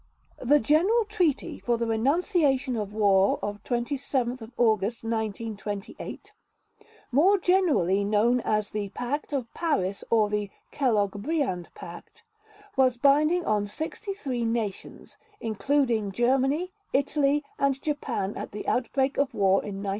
The General Treaty for the Renunciation of War of 27 August 1928, more generally known as the Pact of Paris or the Kellogg Briand Pact, was binding on 63 nations, including Germany, Italy and Japan at the outbreak of war in 1939.